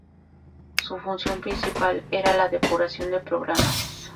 Su función principal era la depuración de programas.